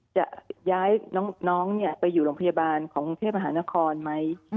จะย้ายน้องไปอยู่โรงพยาบาลของกรุงเทพมหานครไหม